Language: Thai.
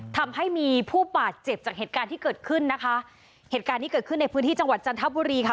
ทำให้มีผู้บาดเจ็บจากเหตุการณ์ที่เกิดขึ้นนะคะเหตุการณ์นี้เกิดขึ้นในพื้นที่จังหวัดจันทบุรีค่ะ